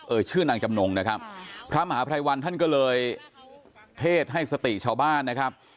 ชื่อนางจำนงนะครับพระมหาภัยวันท่านก็เลยเทศให้สติชาวบ้านนะครับ